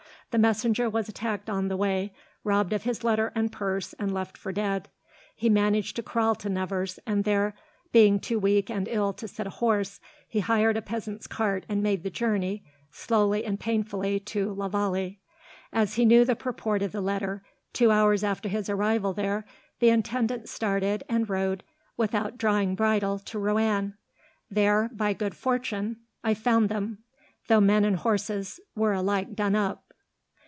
The messenger was attacked on the way, robbed of his letter and purse, and left for dead. He managed to crawl to Nevers, and there, being too weak and ill to sit a horse, he hired a peasant's cart and made the journey, slowly and painfully, to la Vallee. As he knew the purport of the letter, two hours after his arrival there the intendant started, and rode, without drawing bridle, to Roanne. There, by great good fortune, I found them, though men and horses were alike done up.